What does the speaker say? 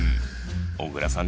小倉さん